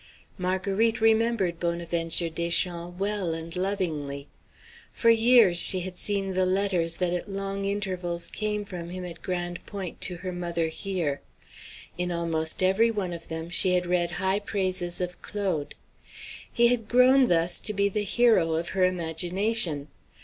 Marguerite remembered Bonaventure Deschamps well and lovingly. For years she had seen the letters that at long intervals came from him at Grande Pointe to her mother here. In almost every one of them she had read high praises of Claude. He had grown, thus, to be the hero of her imagination.